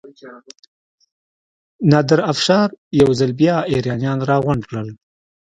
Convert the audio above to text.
نادر افشار یو ځل بیا ایرانیان راغونډ کړل.